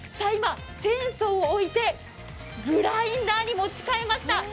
今、チェーンソーを置いてグラインダーに持ち替えました。